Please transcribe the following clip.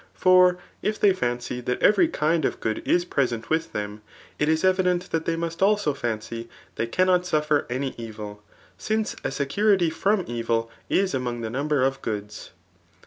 ] For if they £incy ^t every kind of good is present with them» it is evident that they must also £mcy they cannot suffer any evil ; since a security from evil is among the number of goods.